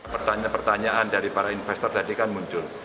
pertanyaan pertanyaan dari para investor tadi kan muncul